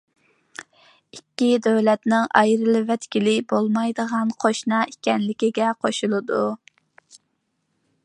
ئىككى دۆلەتنىڭ ئايرىۋەتكىلى بولمايدىغان قوشنا ئىكەنلىكىگە قوشۇلىدۇ.